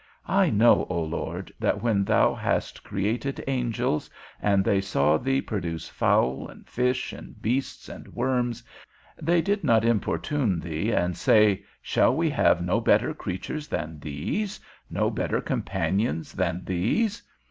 I know, O Lord, that when thou hast created angels, and they saw thee produce fowl, and fish, and beasts, and worms, they did not importune thee, and say, Shall we have no better creatures than these, no better companions than these?